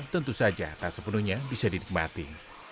tentu saja tak sepenuhnya bisa dinikmati